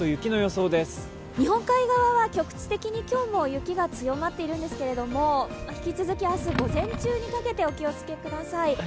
日本海側は局地的に今日も雪が強まっているんですけども引き続き明日午前中にかけて、お気をつけください。